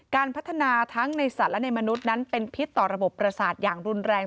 การพัฒนาทั้งในสัตว์และในมนุษย์นั้นเป็นพิษต่อระบบประสาทอย่างรุนแรง